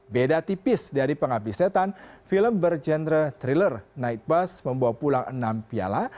beda tipis dari penghabi setan film berjenre thriller night bus membawa pulang enam piala